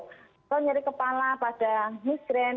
kalau nyeri kepala pada miskren